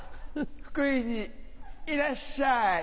福井にいらっしゃい。